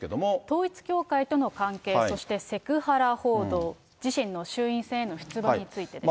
統一教会との関係、そしてセクハラ報道、自身の衆院選への出馬についてです。